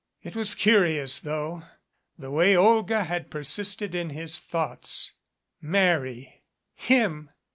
It was curious, though, the way Olga had persisted in his thoughts. Marry? Him?